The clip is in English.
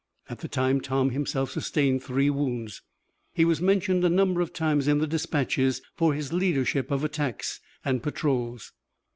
At the time Tom himself sustained three wounds. He was mentioned a number of times in the dispatches for his leadership of attacks and patrols.